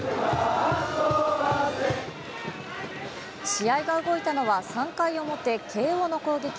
試合が動いたのは３回表、慶応の攻撃。